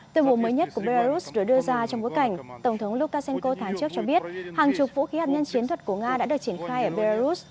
tuyên bố mới nhất của belarus được đưa ra trong bối cảnh tổng thống lukashenko tháng trước cho biết hàng chục vũ khí hạt nhân chiến thuật của nga đã được triển khai ở belarus